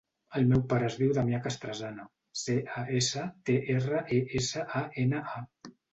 El meu pare es diu Damià Castresana: ce, a, essa, te, erra, e, essa, a, ena, a.